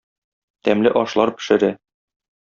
Тәмле ашлар пешерә.